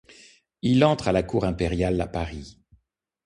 Il entre à la Cour impériale à Paris.